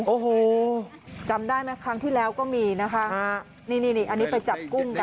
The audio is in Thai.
โอ้โหจำได้ไหมครั้งที่แล้วก็มีนะคะนี่นี่อันนี้ไปจับกุ้งกัน